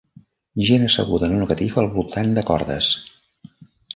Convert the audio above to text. Gent asseguda en una catifa al voltant de cordes.